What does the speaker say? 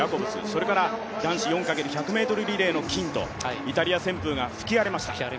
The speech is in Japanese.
それから、男子４×４００ｍリレーの金とイタリア旋風が吹き荒れました。